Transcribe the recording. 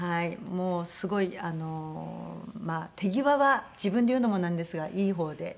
もうすごい手際は自分で言うのもなんですがいい方で。